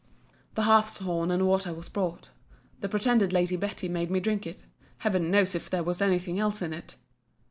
The hartshorn and water was brought. The pretended Lady Betty made me drink it. Heaven knows if there was any thing else in it!